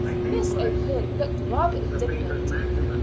Miss O'Flynn looked rather indignant.